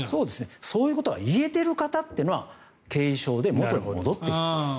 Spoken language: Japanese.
そういうことが言えている方というのは軽症で、元に戻っている方です。